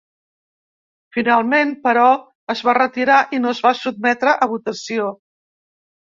Finalment, però, es va retirar i no es va sotmetre a votació.